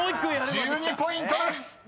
［１２ポイントです］